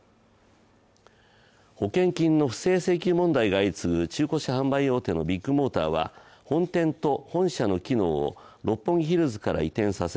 保険金の不正請求問題が相次ぐ中古車販売大手のビッグモーターは本店と本社の機能を六本木ヒルズから移転させ